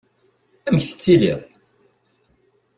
Amek tettiliḍ?